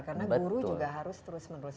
karena guru juga harus terus menerus belajar